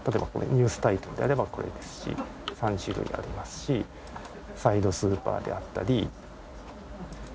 ニュースタイトルであればこれですし３種類ありますしサイドスーパーであったり。